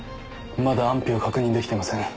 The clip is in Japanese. まだ安否は確認できてません。